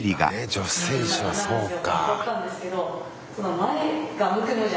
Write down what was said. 女子選手はそうか。